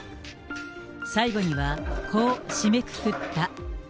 最後にはこう締めくくった。